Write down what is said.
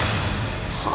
はあ！？